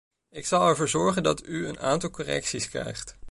Ik zal ervoor zorgen dat u een aantal correcties krijgt.